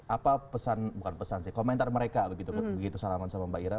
apa pesan bukan pesan sih komentar mereka begitu salaman sama mbak ira